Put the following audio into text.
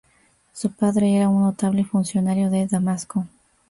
Su padre era un notable funcionario de Damasco.